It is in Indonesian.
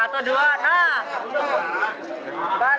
pak jarod kebalik pak